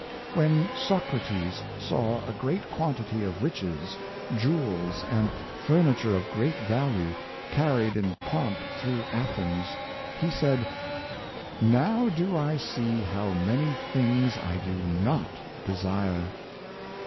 When Socrates saw a great quantity of riches, jewels, and furniture of great value, carried in pomp through Athens, he said, " Now do I see how many things I do not desire."